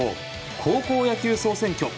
高校野球総選挙」。